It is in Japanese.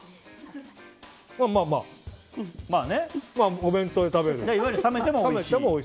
まあまあ、お弁当で食べる。